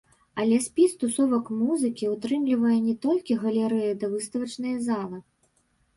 Але спіс тусовак музыкі ўтрымлівае не толькі галерэі ды выставачныя залы.